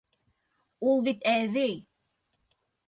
Ул бит әбей!